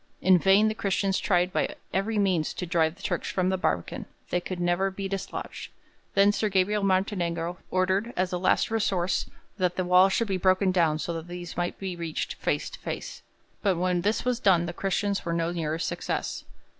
In vain the Christians tried by every means to drive the Turks from the barbican; they could never be dislodged. Then Sir Gabriel Martinengo ordered, as a last resource, that the wall should be broken down so that these might be reached face to face, but when this was done the Christians were no nearer success.